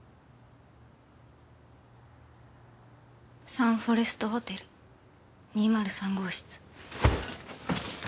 サンフォレストホテル２０３号室。